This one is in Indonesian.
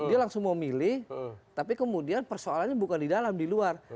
dia langsung mau milih tapi kemudian persoalannya bukan di dalam di luar